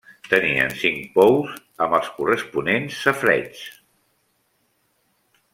Tenien cinc pous amb els corresponents safareigs.